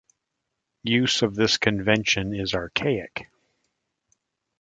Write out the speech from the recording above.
Use of this convention is archaic.